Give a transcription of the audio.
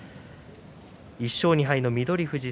１勝２敗の翠富士。